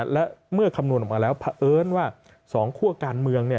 และเมื่อคำนวณออกมาแล้วเผอิญว่า๒คั่วการเมือง